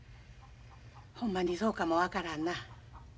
ほんまにそうかも分からんな。